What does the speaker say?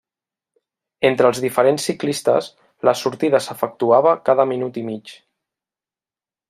Entre els diferents ciclistes la sortida s'efectuava cada minut i mig.